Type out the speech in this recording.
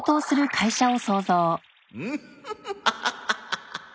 フフフハハハ。